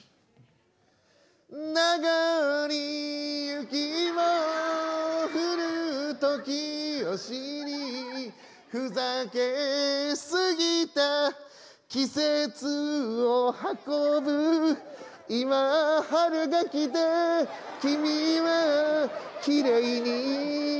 「なごり雪も降る時を知り」「ふざけすぎた季節を運ぶ」「今春が来て君はきれいになった」